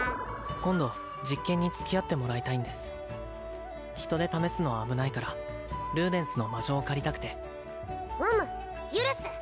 今度実験に付き合ってもらいたいんです人で試すのは危ないからルーデンスの魔杖を借りたくてうむ許す！